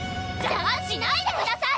邪魔しないでください！